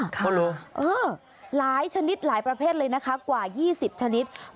เหรอเออหลายชนิดหลายประเภทเลยนะคะกว่า๒๐ชนิด